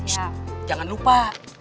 shh jangan lupa